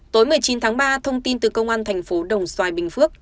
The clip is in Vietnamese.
tối một mươi chín tháng ba thông tin từ công an tp đồng xoài bình phước